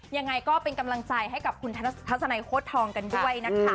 ยังไงก็เป็นกำลังใจให้กับคุณทัศนัยโค้ดทองกันด้วยนะคะ